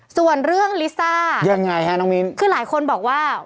ส่วนเรื่องลิซ่ายังไงฮะน้องมิ้นคือหลายคนบอกว่า